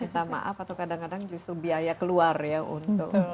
minta maaf atau kadang kadang justru biaya keluar ya untuk